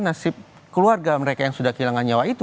nasib keluarga mereka yang sudah kehilangan nyawa itu